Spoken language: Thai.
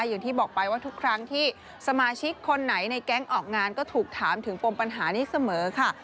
อย่างที่บอกไปว่าทุกครั้งที่สมาชิกคนไหนในแก๊งออกงานก็ถูกถามถึงปมปัญหานี้เสมอค่ะ